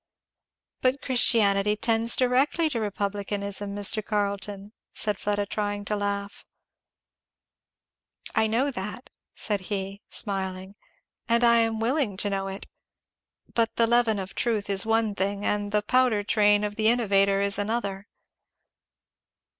"But Christianity tends directly to republicanism, Mr. Carleton," said Fleda, trying to laugh. "I know that," said he smiling, "and I am willing to know it. But the leaven of truth is one thing, and the powder train of the innovator is another."